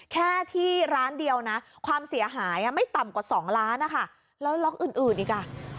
แค่ที่ร้านเดียวนะความเสียหายไม่ต่ำกว่า๒ล้านนะคะแล้วล็อกอื่นอีกอ่ะ